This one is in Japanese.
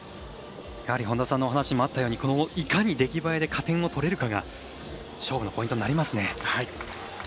やはり本田さんのお話にもあったようにいかに出来栄えで加点を取れるかが勝負のポイントになりますね。